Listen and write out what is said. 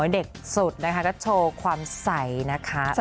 เด็กสุดนะคะก็โชว์ความใสนะคะ